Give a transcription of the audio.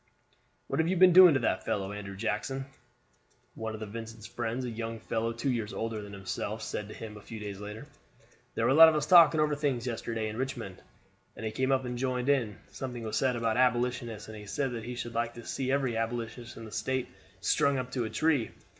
"What have you been doing to that fellow Andrew Jackson?" one of Vincent's friends, a young fellow two years older than himself, said to him a few days later. "There were a lot of us talking over things yesterday, in Richmond, and he came up and joined in. Something was said about Abolitionists, and he said that he should like to see every Abolitionist in the State strung up to a tree.